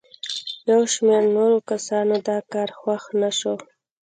یو شمېر نورو کسانو دا کار خوښ نه شو.